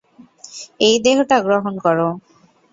এই দেহটা গ্রহণ করো।